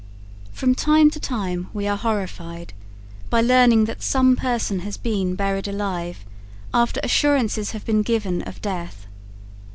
From time to time we are horrified by learning that some person has been buried alive, after assurances have been given of death.